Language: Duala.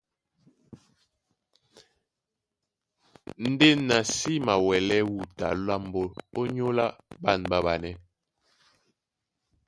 Ndé na sí mawɛlɛ́ wuta lambo ónyólá ɓân ɓáɓanɛ́.